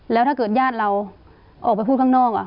แล้วถ้าเกิดญาติเราออกไปพูดข้างนอก